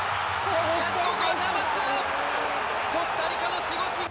しかし、コスタリカの守護神。